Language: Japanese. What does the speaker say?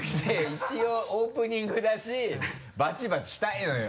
一応オープニングだしバチバチしたいのよ。